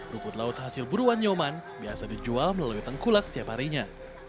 rumput laut hasil buruan nyoman biasa dijual melalui tengkulak setiap harinya